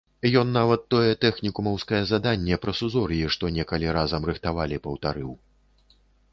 Ён нават тое тэхнікумаўскае заданне пра сузор'і, што некалі разам рыхтавалі, паўтарыў.